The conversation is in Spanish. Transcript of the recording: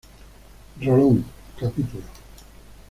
Rolón, Cap.